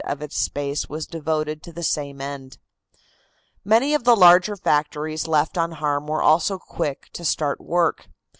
of its space was devoted to the same end. Many of the larger factories left unharmed were also quick to start work.